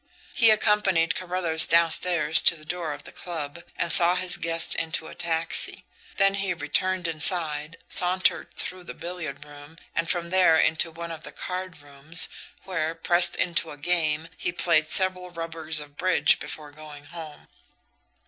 He accompanied Carruthers downstairs to the door of the club, and saw his guest into a taxi; then he returned inside, sauntered through the billiard room, and from there into one of the cardrooms, where, pressed into a game, he played several rubbers of bridge before going home.